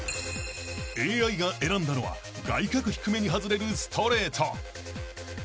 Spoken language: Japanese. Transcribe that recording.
［ＡＩが選んだのは外角低めに外れるストレート］